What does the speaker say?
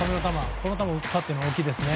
この球を打ったというのが大きいですね。